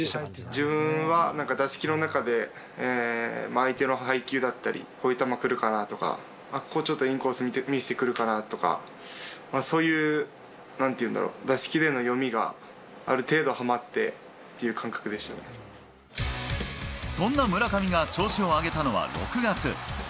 自分はなんか打席の中で、相手の配球だったり、こういう球くるかなとか、ここちょっとインコース見せてくるかなとか、そういうなんていうんだろう、打席での読みが、ある程度はそんな村上が調子を上げたのは６月。